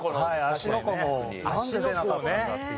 芦ノ湖もなんで出なかったんだっていう。